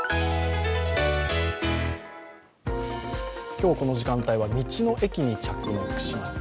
今日、この時間帯は道の駅に着目します。